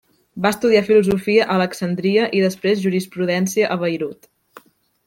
Va estudiar filosofia a Alexandria i després jurisprudència a Beirut.